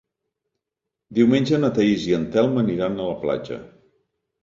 Diumenge na Thaís i en Telm aniran a la platja.